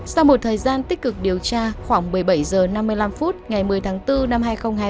sau một thời gian tích cực điều tra khoảng một mươi bảy h năm mươi năm phút ngày một mươi tháng bốn năm hai nghìn hai mươi ba